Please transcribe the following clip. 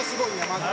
まず」